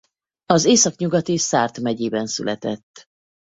Az északnyugati Sarthe megyében született.